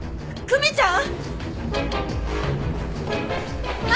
久美ちゃん。